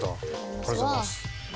ありがとうございます。